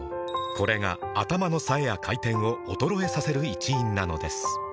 これが頭の冴えや回転を衰えさせる一因なのです